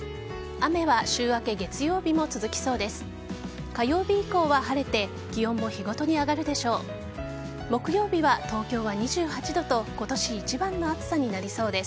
雨は週明け月曜日も続きそうです。